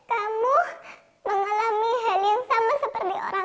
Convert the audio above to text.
bagaimana kalau kamu mempunyai anak perempuan